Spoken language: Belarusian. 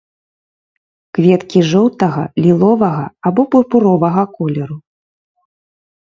Кветкі жоўтага, ліловага або пурпуровага колеру.